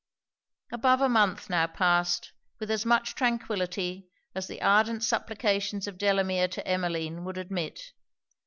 Above a month now passed with as much tranquillity as the ardent supplications of Delamere to Emmeline would admit.